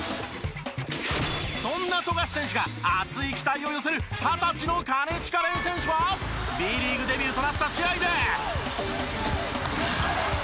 そんな富樫選手が熱い期待を寄せる二十歳の金近廉選手はＢリーグデビューとなった試合で。